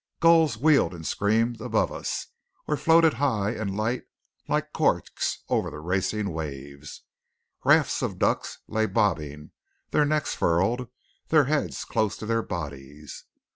Gulls wheeled and screamed above us, or floated high and light like corks over the racing waves. Rafts of ducks lay bobbing, their necks furled, their head close to their bodies.